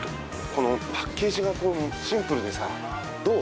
このパッケージがシンプルでさどう？